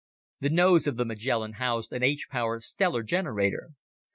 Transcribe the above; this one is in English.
The nose of the Magellan housed an H power stellar generator.